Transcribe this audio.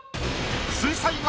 水彩画